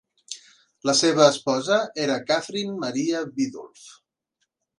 La seva esposa era Catherine Maria Biddulph.